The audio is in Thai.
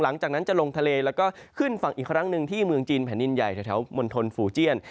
หลังจากนั้นจะลงทะเลแล้วก็ขึ้นฝั่งอีกครั้งหนึ่งที่เมืองจีนแผ่นดินใหญ่แถวมณฑลฟูเจียน